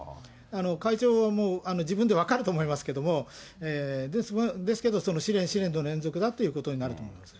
会長も、自分で分かると思いますけれども、ですけど、試練、試練の連続だということになると思います。